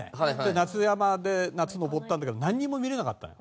夏山で夏登ったんだけどなんにも見れなかったのよ。